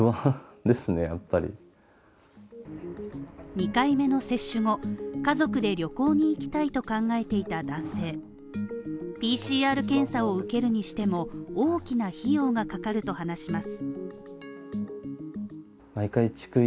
２回目の接種後、家族で旅行に行きたいと考えていた男性ＰＣＲ検査を受けるにしても大きな費用がかかると話します。